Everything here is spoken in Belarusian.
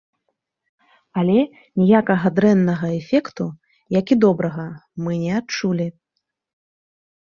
Але ніякага дрэннага эфекту, як і добрага, мы не адчулі.